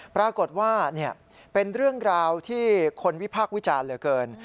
ปรากฏว่าเป็นเรื่องราวที่คนวิพากษ์วิจารณ์เหลือเกิน